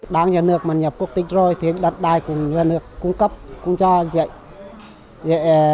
đảng nhà nước mà nhập quốc tịch rồi thì đặt đài của nhà nước cung cấp cung cho vậy